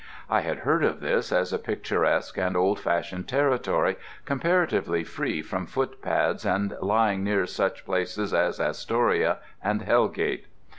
I had heard of this as a picturesque and old fashioned territory, comparatively free from footpads and lying near such places as Astoria and Hell Gate.